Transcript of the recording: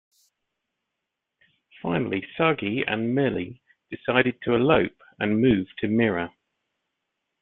Finally, Sagi and Milly decide to elope and move to Mira.